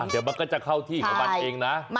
เดี๋ยวมันก็จะเข้าที่ของมันเองนะ